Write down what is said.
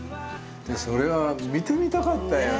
それは見てみたかったよね。